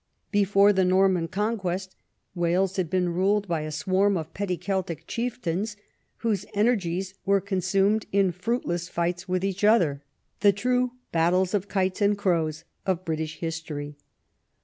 Before the Norman Conquest Wales had been ruled by a swarm of petty Celtic chieftains, whose energies were consumed in fruitless fights with each other, the true " battles of kites and crows " of British history.